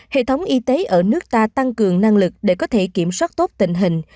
hệ thống y tế ở nước ta tăng cường năng lực để có thể kiểm soát tốt tình hình